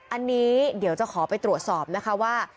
อันนี้เดี๋ยวจะขอไปตรวจสอบนะคะว่า